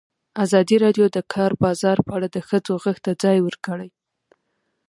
ازادي راډیو د د کار بازار په اړه د ښځو غږ ته ځای ورکړی.